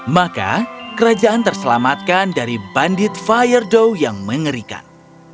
maka kerajaan terselamatkan dari bandit fire dow yang mengerikan